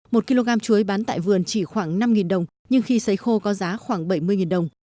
một kg chuối bán tại vườn chỉ khoảng năm đồng nhưng khi xấy khô có giá khoảng bảy mươi đồng